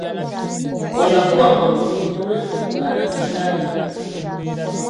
Kwe yakuba olubiri lwe ng’ali e ndayiga.